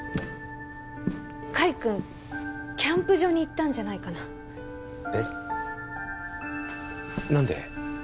カイくんキャンプ場に行ったんじゃないかなえっ何で？